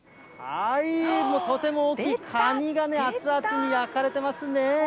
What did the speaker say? とても大きいカニがね、熱々に焼かれてますね。